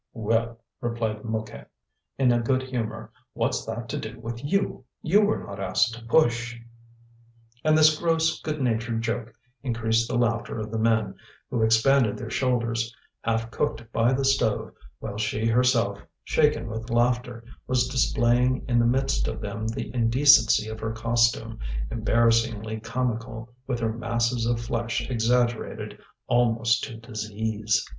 "Well," replied Mouquette, in a good humour, "what's that to do with you? You were not asked to push." And this gross good natured joke increased the laughter of the men, who expanded their shoulders, half cooked by the stove, while she herself, shaken by laughter, was displaying in the midst of them the indecency of her costume, embarrassingly comical, with her masses of flesh exaggerated almost to disease.